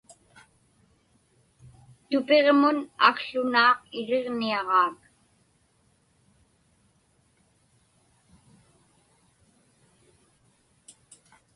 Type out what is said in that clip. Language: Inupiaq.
Tupiġmun akłunaaq iriġniaġaak.